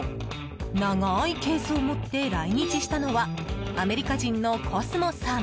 長いケースを持って来日したのはアメリカ人のコスモさん。